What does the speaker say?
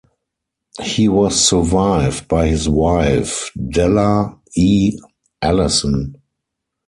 He was survived by his wife, Della E. Allison.